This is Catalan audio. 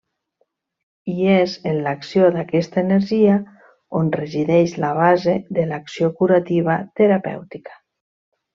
I és en l'acció d'aquesta energia on resideix la base de l'acció curativa terapèutica.